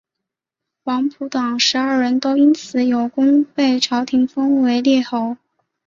王甫等十二人都因此有功被朝廷封为列侯。